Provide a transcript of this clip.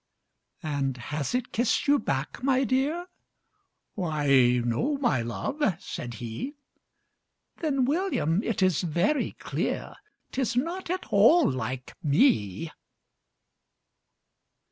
"And has it kissed you back, my dear?" "Why no my love," said he. "Then, William, it is very clear 'Tis not at all LIKE ME!"